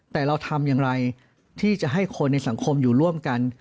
แต่เราทำอย่างไรที่จะให้คนในสังคมอยู่ร่วมกัน